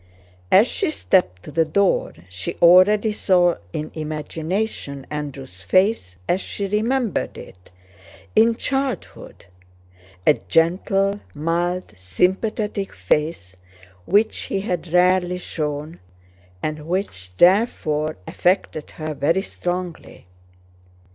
As she stepped to the door she already saw in imagination Andrew's face as she remembered it in childhood, a gentle, mild, sympathetic face which he had rarely shown, and which therefore affected her very strongly.